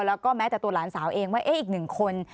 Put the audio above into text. แล้วก็แม้แต่ตัวหลานสาวเองว่าอีกหนึ่งคน